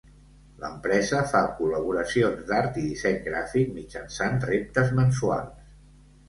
L'empresa fa col·laboracions d'art i disseny gràfic mitjançant reptes mensuals.